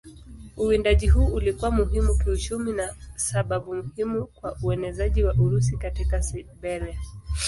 Uwindaji huu ulikuwa muhimu kiuchumi na sababu muhimu kwa uenezaji wa Urusi katika Siberia.